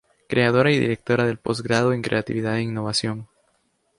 Creadora y Directora del Postgrado en Creatividad e Innovación.